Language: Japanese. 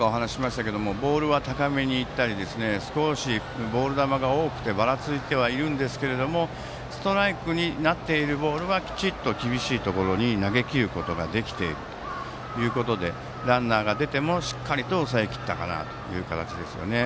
何度かお話ししましたがボールは高めに行ったり少しボール球が多くてばらついてましたがストライクのボールはきちんと厳しいところに投げ込めているということでランナーが出てもしっかりと抑えきったかなという形ですね。